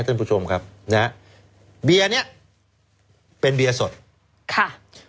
ท่านผู้ชมครับนะฮะเบียร์เนี้ยเป็นเบียร์สดค่ะ